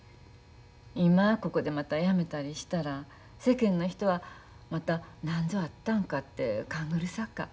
今ここでまた辞めたりしたら世間の人はまたなんぞあったんかって勘ぐるさか。